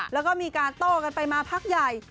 แล้วก็มีการโต้กันไปมาพักใหญ่